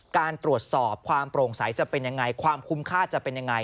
การตรวจสอบความโปร่งใสจะเป็นยังไงความคุ้มค่าจะเป็นยังไง